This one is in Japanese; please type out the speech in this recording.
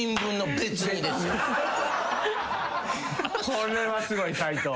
これはすごい斉藤。